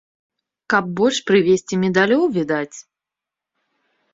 Каб больш прывезці медалёў, відаць!